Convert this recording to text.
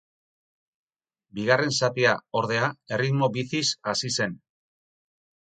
Bigarren zatia, ordea, erritmo bicis hasi zen.